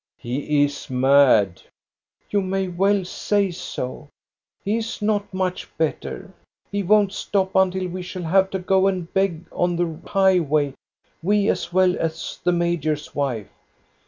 •* He is mad." "You may well say so. He is not much better. He won't stop until we shall have to go and beg on the highway, we as well as the major's wife."